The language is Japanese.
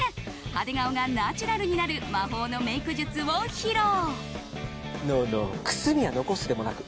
派手顔がナチュラルになる魔法のメイク術を披露。